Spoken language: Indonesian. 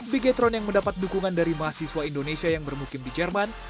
bigetron yang mendapat dukungan dari mahasiswa indonesia yang bermukim di jerman